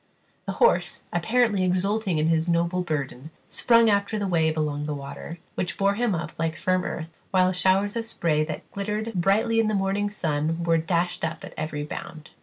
The horse, apparently exulting in his noble burden, sprung after the wave along the water, which bore him up like firm earth, while showers of spray that glittered brightly in the morning sun were dashed up at every bound.